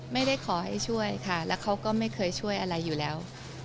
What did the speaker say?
ไม่ได้ขอให้ช่วยค่ะแล้วเขาก็ไม่เคยช่วยอะไรอยู่แล้ว